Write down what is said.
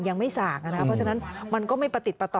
ยังไม่สากนะครับเพราะฉะนั้นมันก็ไม่ประติดประต่อ